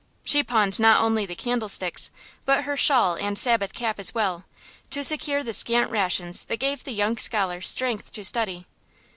She pawned not only the candlesticks, but her shawl and Sabbath cap as well, to secure the scant rations that gave the young scholar strength to study.